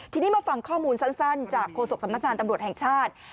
ทีนี้มาฟังข้อมูลสั้นจากโฆษกสำนักงานตำรวจแห่งชาติ